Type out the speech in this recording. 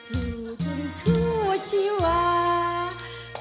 อยู่ทุนทั่วชีวิต